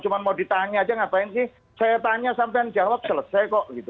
cuma mau ditanya aja ngapain sih saya tanya sampai yang jawab selesai kok gitu